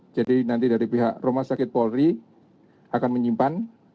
jadi nanti dari pihak rumah sakit polri akan menyimpan